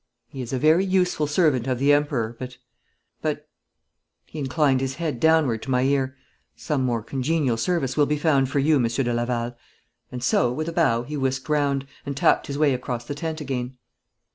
'He is a very useful servant of the Emperor, but but ' he inclined his head downward to my ear, 'some more congenial service will be found for you, Monsieur de Laval,' and so, with a bow, he whisked round, and tapped his way across the tent again.